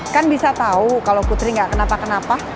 kan bisa tau kalau putri gak kenapa kenapa